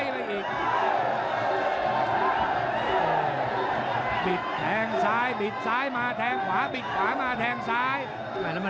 แล้วมันแรงเจอนะ